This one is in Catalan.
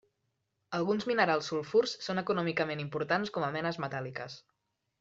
Alguns minerals sulfurs són econòmicament importants com a menes metàl·liques.